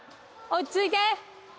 落ち着いて。